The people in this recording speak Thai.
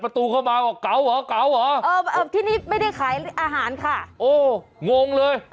อะไรแบบนั้น